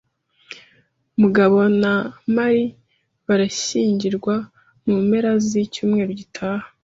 Mugabona Mary barashyingirwa mu mpera z'icyumweru gitaha.